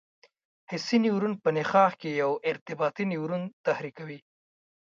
حسي نیورون په نخاع کې یو ارتباطي نیورون تحریکوي.